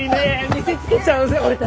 見せつけちゃおうぜッ！